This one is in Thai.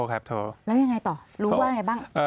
แล้วยังไงต่อรู้ว่าไงบ้าง